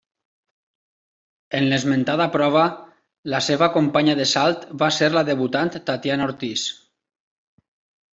En l'esmentada prova la seva companya de salt va ser la debutant Tatiana Ortiz.